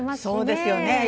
そうですよね。